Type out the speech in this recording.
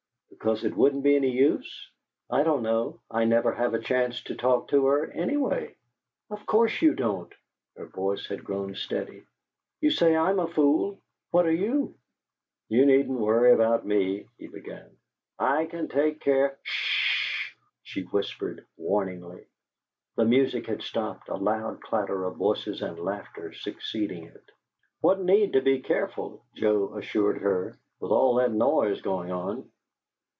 Because it wouldn't be any use?" "I don't know. I never have a chance to talk to her, anyway." "Of course you don't!" Her voice had grown steady. "You say I'm a fool. What are you?" "You needn't worry about me," he began. "I can take care " "'SH!" she whispered, warningly. The music had stopped, a loud clatter of voices and laughter succeeding it. "What need to be careful," Joe assured her, "with all that noise going on?"